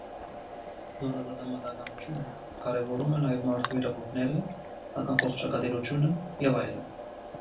Նորազատամտականաթյունը կարևորում է նաև մարդու իրավունքները, հակաամբողջատիրությունը և այլն։